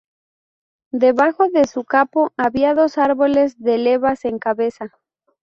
Debajo de su capó había dos árboles de levas en cabeza.